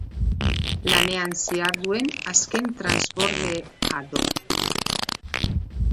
Lanean ziharduen azken transbordadorea zen.